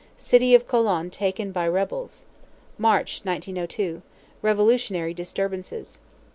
City of Colon taken by rebels. March, 1902. Revolutionary disturbances.